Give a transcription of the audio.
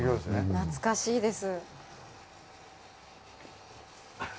懐かしいです。